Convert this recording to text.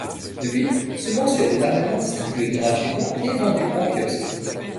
Depuis, ce mensuel est largement distribué gratuitement et vendu en kiosques.